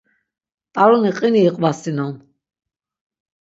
T̆aruni qini iqvasinon.